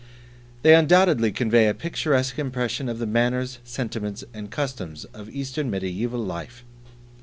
They undoubtedly convey a picturesque impression of the manners, sentiments, and customs of Eastern Mediaeval Life.